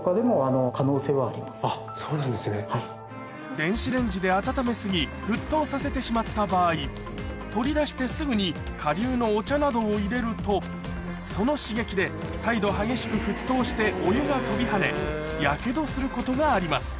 電子レンジで温め過ぎ沸騰させてしまった場合取り出してすぐに顆粒のお茶などを入れるとその刺激で再度激しく沸騰してお湯が飛び跳ねやけどすることがあります